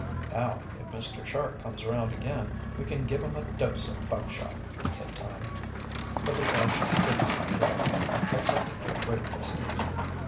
"Now, if Mr. Shark comes around again, we can give him a dose of buckshot," said' Tom. But the shark did not appear, excepting at a great distance.